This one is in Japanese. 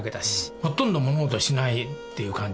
ほとんど物音がしないっていう感じでしたね。